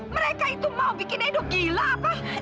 mereka itu mau bikin edo gila apa